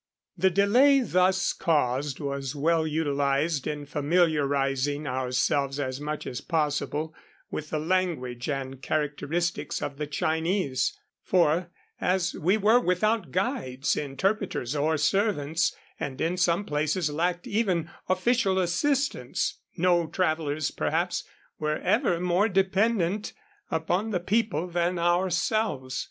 The delay thus caused was well utilized in familiarizing [I52] ourselves as much as possible with the language and characteristics of the Chinese, for, as we were without guides, interpreters, or servants, and in some places lacked even official assistance, no travelers, perhaps, were ever more dependent upon the people than ourselves.